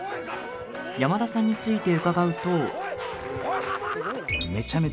山田さんについて伺うと。